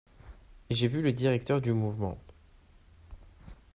J’ai vu le directeur du Mouvement …